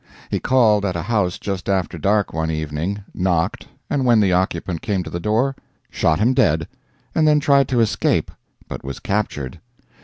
He called at a house just after dark one evening, knocked, and when the occupant came to the door, shot him dead, and then tried to escape, but was captured.